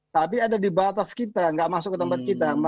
tapi ada di batas kita nggak masuk ke tempat kita